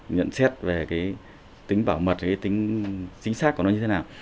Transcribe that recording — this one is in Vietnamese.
nhận xét về cái tính bảo mật cái tính chính xác của nó như thế nào